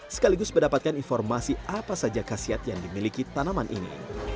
sekaligus mendapatkan informasi apa saja khasiat yang dimiliki tanaman ini